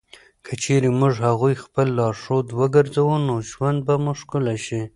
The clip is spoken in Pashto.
که چېرې موږ هغوی خپل لارښود وګرځوو، نو ژوند به مو ښکلی شي.